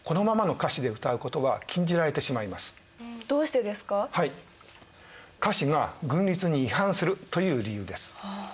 歌詞が軍律に違反するという理由です。